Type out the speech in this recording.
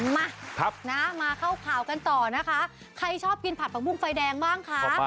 มามาเข้าข่าวกันต่อนะคะใครชอบกินผัดผักบุ้งไฟแดงบ้างคะ